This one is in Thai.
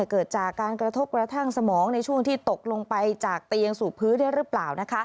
เกิดจากการกระทบกระทั่งสมองในช่วงที่ตกลงไปจากเตียงสู่พื้นได้หรือเปล่า